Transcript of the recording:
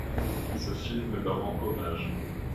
Ce film leur rend hommage.